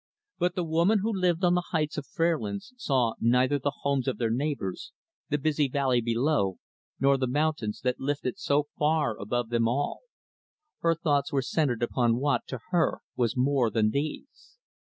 But the woman who lived on the Heights of Fairlands saw neither the homes of their neighbors, the busy valley below, nor the mountains that lifted so far above them all. Her thoughts were centered upon what, to her, was more than these.